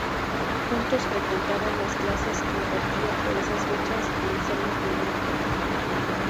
Juntos frecuentaron las clases que impartía por esas fechas Anselmo Guinea.